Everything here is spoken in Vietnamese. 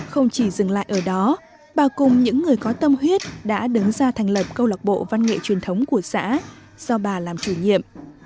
không chỉ dừng lại ở đó bà cùng những người có tâm huyết đã đứng ra thành lập câu lạc bộ văn nghệ truyền thống của xã do bà làm chủ nhiệm